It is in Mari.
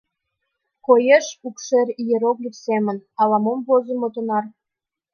Коеш укшер иероглиф семын — Ала-мом возымо тынар?